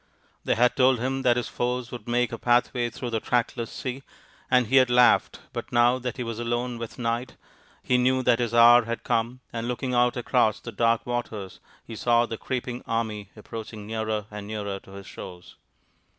They had told him that his foes would make a pathway through the trackless sea and he had laughed, but :iiow that he was alone with Night he knew that his hour had come, and looking out across the dark waters he saw the creeping army approaching nearer and nearer to his shores.